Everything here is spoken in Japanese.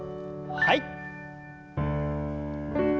はい。